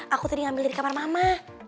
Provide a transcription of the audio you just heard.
aku tadi ngambil dari kamar mama